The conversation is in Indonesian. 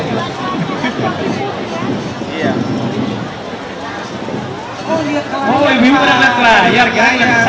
coba kita lihat kelayarnya